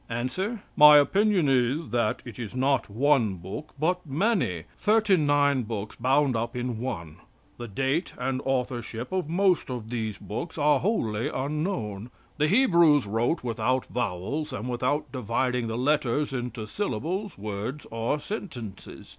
Answer. "My opinion is that it is not one book, but many thirty nine books bound up in one. The date and authorship of most of these books are wholly unknown. The Hebrews wrote without vowels and without dividing the letters into syllables, words or sentences.